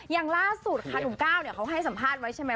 อย่างล่าสุดนะคะหลุมก้าวเค้าให้สัมภาพไว้